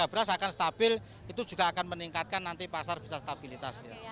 harga beras akan stabil itu juga akan meningkatkan nanti pasar bisa stabilitas